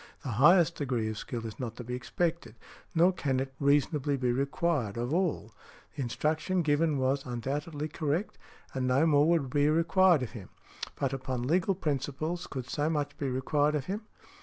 The highest degree of skill is not to be expected, nor can it reasonably be required, of all. The instruction given was undoubtedly correct, and no more would be required of him. But, upon legal principles, could so much be required of him?